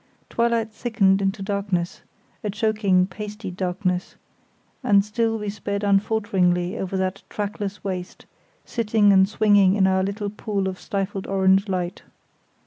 Twilight thickened into darkness—a choking, pasty darkness—and still we sped unfalteringly over that trackless waste, sitting and swinging in our little pool of stifled orange light.